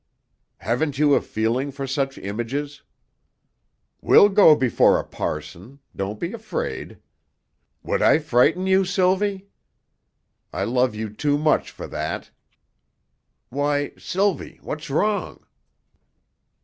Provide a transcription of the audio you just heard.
"Haven't you a feeling for such images? We'll go before a parson don't be afraid. Would I frighten you, Sylvie? I love you too much for that. Why, Sylvie, what's wrong?"